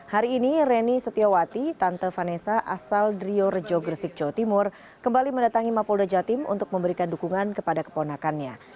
hari ini reni setiawati tante vanessa asal drio rejo gresik jawa timur kembali mendatangi mapolda jatim untuk memberikan dukungan kepada keponakannya